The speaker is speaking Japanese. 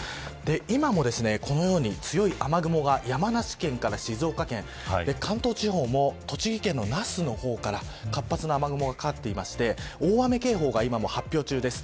今もこのように強い雨雲が、山梨県から静岡県関東地方も栃木県の那須の方から活発な雨雲がかかっていまして大雨警報が発表中です。